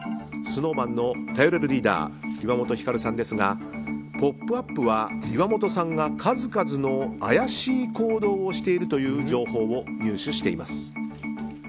ＳｎｏｗＭａｎの頼れるリーダー岩本照さんですが「ポップＵＰ！」は岩本さんが数々の怪しい行動をしているという情報を入手しています。